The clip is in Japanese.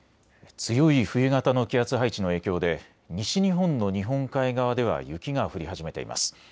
強い冬型の気圧配置の影響で西日本の日本海側では雪が降り始めています。